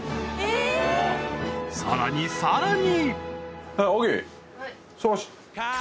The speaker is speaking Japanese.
［さらにさらに］